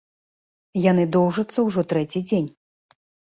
Яны доўжацца ўжо трэці дзень.